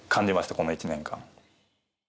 この１年間。